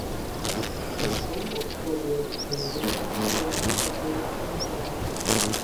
Jakou odpověď můžeme občanům Evropy dát?